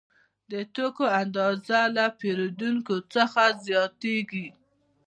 د توکو اندازه له پیرودونکو څخه زیاتېږي